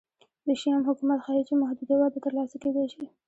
د شیام حکومت ښيي چې محدوده وده ترلاسه کېدای شي